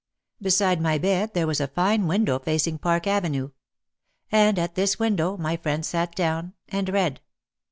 Beside my bed there was a fine window facing Park Avenue. And at this window my friend sat down and read.